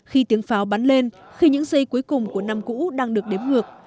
khi tiếng pháo bắn lên khi những giây cuối cùng của năm cũ đang được đếm ngược